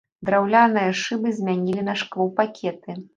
Драўляныя шыбы змянілі на шклопакеты.